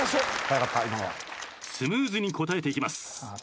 スムーズに答えていきます。